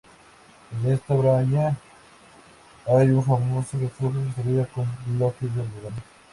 En esta braña hay un famoso refugio construido con bloques de hormigón.